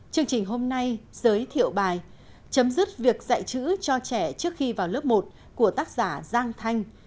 chương trình hôm nay giới thiệu bài chấm dứt việc dạy chữ cho trẻ trước khi vào lớp một của tác giả giang thanh